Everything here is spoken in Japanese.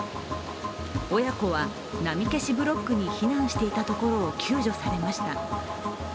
親子は波消しブロックに避難していたところを救助されました。